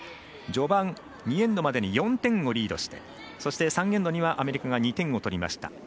序盤、２エンドまでに４点をリードしてそして、３エンドにはアメリカが２点を取りました。